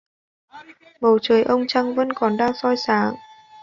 Bầu trời ông trăng vẫn còn đang soi sáng